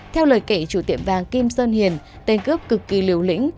theo lời kể chủ tiệm vàng kim sơn hiền tên cướp cực kỳ liều lĩnh